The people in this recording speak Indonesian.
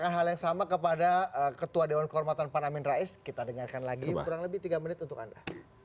hal yang sama kepada ketua dewan kehormatan pan amin rais kita dengarkan lagi kurang lebih tiga menit untuk anda